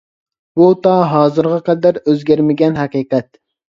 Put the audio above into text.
بۇ تا ھازىرغا قەدەر ئۆزگەرمىگەن ھەقىقەت.